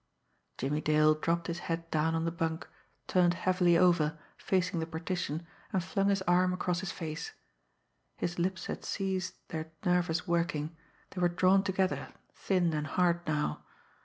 Jimmie Dale dropped his head down on the bunk, turned heavily over, facing the partition, and flung his arm across his face. His lips had ceased their nervous working; they were drawn together, thin and hard now.